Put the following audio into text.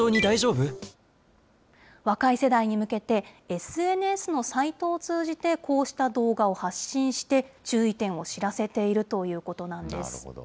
若い世代に向けて、ＳＮＳのサイトを通じてこうした動画を発信して、注意点を知らせているということなんです。